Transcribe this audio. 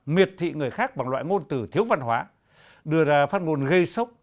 miệt thị người khác bằng loại ngôn từ thiếu văn hóa đưa ra phát ngôn gây sốc